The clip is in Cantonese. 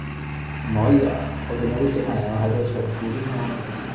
唔可以㗎？我見到啲小朋友喺度除褲添喎